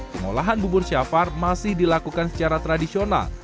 pengolahan bubur syafar masih dilakukan secara tradisional